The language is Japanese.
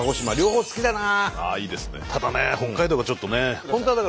ただね北海道がちょっとね。